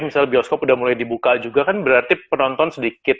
misalnya bioskop udah mulai dibuka juga kan berarti penonton sedikit